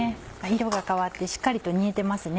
色が変わってしっかりと煮えてますね。